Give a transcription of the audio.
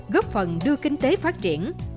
góp phần đưa kinh tế phát triển